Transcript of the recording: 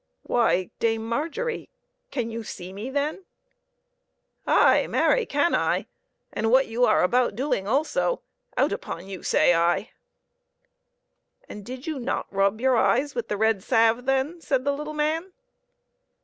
"Why, Dame Margery! can you see me then?" " Aye, marry can I ! And what you are about doing also ; out upon you, say I !"" And did you not rub your eyes with the red salve then ?" said the little man.